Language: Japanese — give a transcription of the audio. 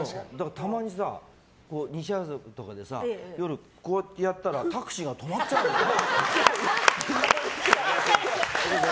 たまにさ、西麻布とかで夜こうやってやったらタクシーが止まっちゃうのね。